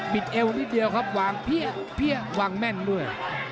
เอวนิดเดียวครับวางเพี้ยวางแม่นด้วย